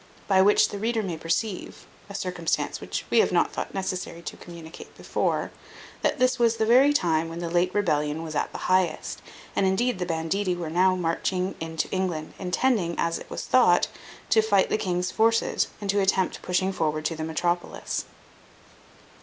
By which the reader may perceive (a circumstance which we have not thought necessary to communicate before) that this was the very time when the late rebellion was at the highest; and indeed the banditti were now marched into England, intending, as it was thought, to fight the king's forces, and to attempt pushing forward to the metropolis.